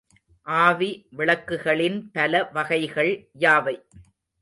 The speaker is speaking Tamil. ஆவி விளக்குகளின் பல வகைகள் யாவை?